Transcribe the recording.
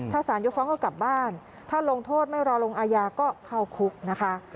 ถ้าสารยกฟ้องก็กลับบ้านถ้าลงโทษไม่รอลงอาญาก็เข้าคุกนะคะ